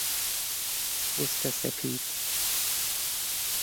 پوست سپید